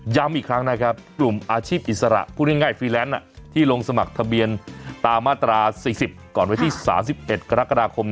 อีกครั้งนะครับกลุ่มอาชีพอิสระพูดง่ายฟรีแลนซ์ที่ลงสมัครทะเบียนตามมาตรา๔๐ก่อนวันที่๓๑กรกฎาคม